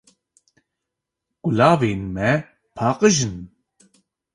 Kulavên me paqij in.